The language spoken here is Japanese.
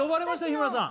日村さん。